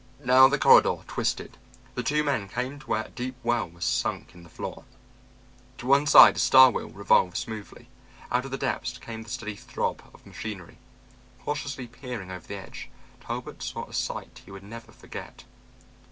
Now the corridor twisted. The two men came to where a deep well was sunk in the floor. To one side a star wheel revolved smoothly. Out of the depths came the steady throb of machinery. Cautiously peering over the edge, Talbot saw a sight he would never forget.